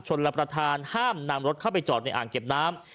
รับประทานห้ามนำรถเข้าไปจอดในอ่างเก็บน้ำ